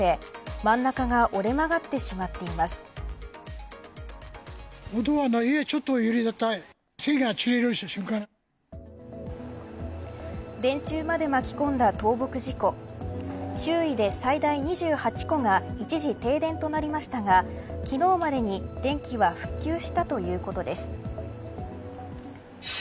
電柱まで巻き込んだ倒木事故周囲で最大２８戸が一時停電となりましたが昨日までに電気は復旧したということです。